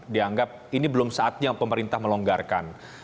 dianggap ini belum saatnya pemerintah melonggarkan